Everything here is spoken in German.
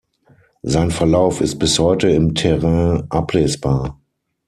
Sein Verlauf ist bis heute im Terrain ablesbar.